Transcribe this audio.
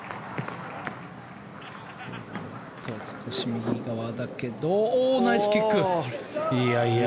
少し右側だけどナイスキック。